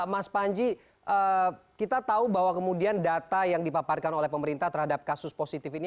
mas panji kita tahu bahwa kemudian data yang dipaparkan oleh pemerintah terhadap kasus positif ini